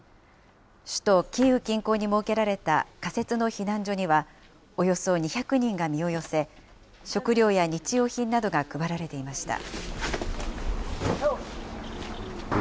首都キーウ近郊に設けられた仮設の避難所には、およそ２００人が身を寄せ、食料や日用品などが配られていました。